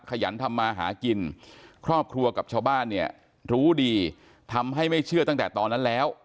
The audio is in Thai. ขยันทำมาหากินครอบครัวกับชาวบ้านเนี่ยรู้ดีทำให้ไม่เชื่อตั้งแต่ตอนนั้นแล้ว